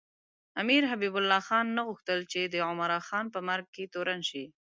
امیر حبیب الله خان نه غوښتل چې د عمراخان په مرګ کې تورن شي.